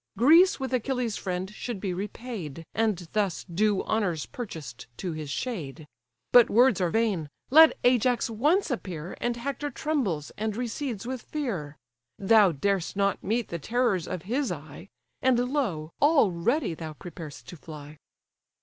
Greece with Achilles' friend should be repaid, And thus due honours purchased to his shade. But words are vain—Let Ajax once appear, And Hector trembles and recedes with fear; Thou dar'st not meet the terrors of his eye; And lo! already thou prepar'st to fly."